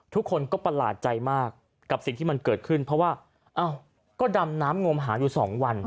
ทุกคนก็ประหลาดใจมากกับสิ่งที่มันเกิดขึ้นเพราะว่าก็ดำน้ำงมหาอยู่๒วัน